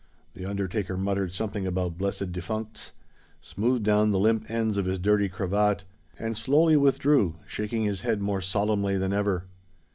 The undertaker muttered something about "blessed defuncts," smoothed down the limp ends of his dirty cravat, and slowly withdrew, shaking his head more solemnly than ever.